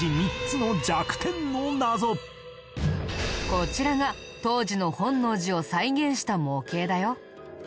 こちらが当時の本能寺を再現した模型だよ。